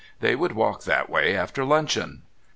They would walk that way after luncheon.